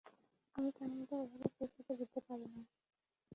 আমি কাহিনীটা এভাবে শেষ হতে দিতে পারি না।